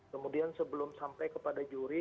kemudian sebelum sampai kepada juri